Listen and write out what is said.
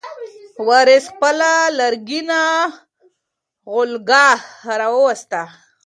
وارث خپله لرګینه غولکه راواخیسته.